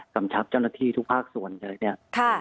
กำชับท่านเจ้าหน้าที่ทุกภาคส่วนเนี่ย